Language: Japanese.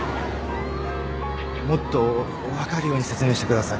もっと分かるように説明してください。